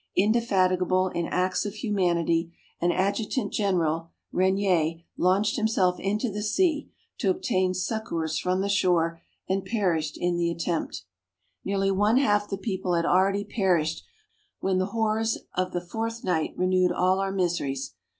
Indefatigable in acts of humanity, an adjutant general, Renier, launched himself into the sea, to obtain succours from the shore, and perished in the attempt. Nearly one half the people had already perished, when the horrors of the fourth night renewed all our miseries.